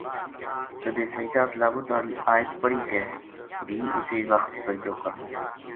کدے سجدہ تلاوت آلی ایت پڑھی تے بھی اسے وخت سجدو کرنو۔